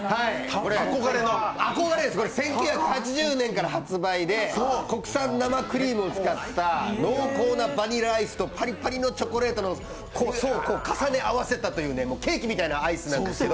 憧れです、１９８０年から発売で国産生クリームを使った濃厚なバニラアイスとパリパリのチョコレートの層を重ね合わせたというケーキみたいなアイスなんです。